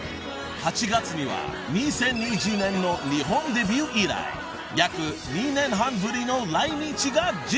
［８月には２０２０年の日本デビュー以来約２年半ぶりの来日が実現］